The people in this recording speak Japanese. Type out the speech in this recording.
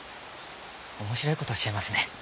面白い事おっしゃいますね。